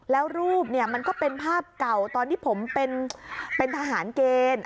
แล้วรูปเนี่ยมันก็เป็นภาพเก่าตอนที่ผมเป็นทหารเกณฑ์